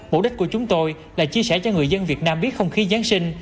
mục đích của chúng tôi là chia sẻ cho người dân việt nam biết không khí giáng sinh